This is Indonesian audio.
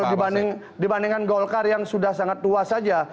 dibandingkan golkar yang sudah sangat tua saja